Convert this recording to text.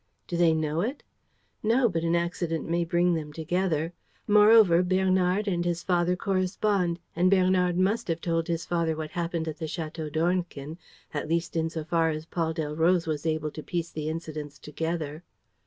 "Do they know it?" "No, but an accident may bring them together. Moreover, Bernard and his father correspond; and Bernard must have told his father what happened at the Château d'Ornequin, at least in so far as Paul Delroze was able to piece the incidents together."